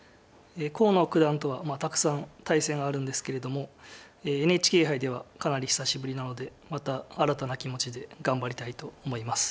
河野九段とはたくさん対戦あるんですけれどもＮＨＫ杯ではかなり久しぶりなのでまた新たな気持ちで頑張りたいと思います。